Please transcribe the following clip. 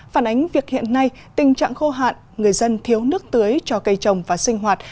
phản ánh việc hiện nay tình trạng khô hạn người dân thiếu nước tưới cho cây trồng và sinh hoạt